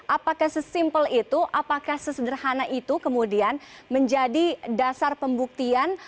apakah sesimpel itu apakah sesederhana itu kemudian menjadi dasar pembuktian